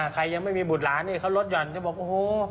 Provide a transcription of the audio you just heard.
ใครยังไม่มีบุตรล้านด้วยเขารดยอดจะบอกโอ้โฮ